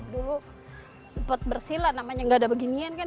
dulu sempat bersilan namanya gak ada beginian kan